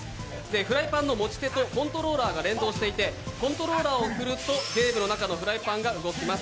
フライパンの持ち手とコントローラーが連動していてコントローラーを振るとゲームの中のフライパンが動きます。